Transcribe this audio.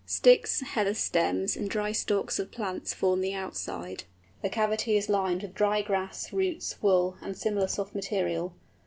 Sticks, heather stems, and dry stalks of plants form the outside; the cavity is lined with dry grass, roots, wool, and similar soft material.